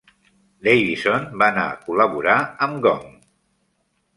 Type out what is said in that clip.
Davison va anar a col·laborar amb Gong.